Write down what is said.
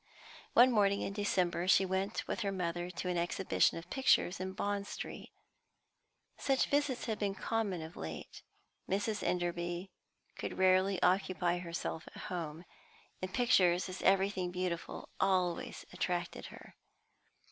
One morning in December, she went with her mother to an exhibition of pictures in Bond Street. Such visits had been common of late; Mrs. Enderby could rarely occupy herself at home, and pictures, as everything beautiful, always attracted her.